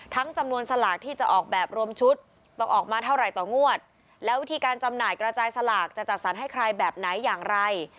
จำนวนสลากที่จะออกแบบรวมชุดต้องออกมาเท่าไหร่ต่องวดแล้ววิธีการจำหน่ายกระจายสลากจะจัดสรรให้ใครแบบไหนอย่างไร